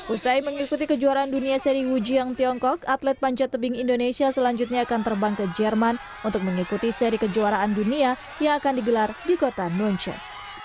usai mengikuti kejuaraan dunia seri wujiang tiongkok atlet panjat tebing indonesia selanjutnya akan terbang ke jerman untuk mengikuti seri kejuaraan dunia yang akan digelar di kota nuncheon